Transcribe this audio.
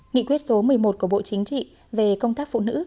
nghị quyết số một mươi một của bộ chính trị về công tác phụ nữ